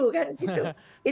itu mungkin ya